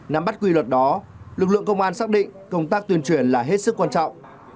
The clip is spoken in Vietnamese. nắm bắt quy luật đó lực lượng công an xác định công tác tuyên truyền là hết sức quan trọng